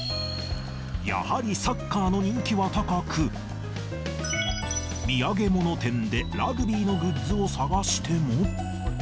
やはりサッカーの人気は高く、土産物店でラグビーのグッズを探しても。